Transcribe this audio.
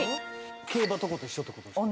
競馬とかと一緒ってことですか？